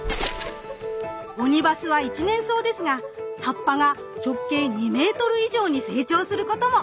オニバスは一年草ですが葉っぱが直径２ｍ以上に成長することも。